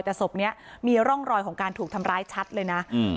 แต่ศพนี้มีร่องรอยของการถูกทำร้ายชัดเลยนะ